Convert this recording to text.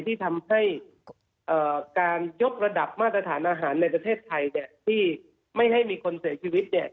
ที่ทำให้การยกระดับมาตรฐานอาหารในประเทศไทยที่ไม่ให้มีคนเสียชีวิต